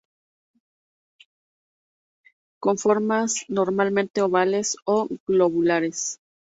Con formas normalmente ovales o globulares.